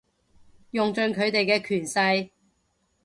用盡佢哋嘅權勢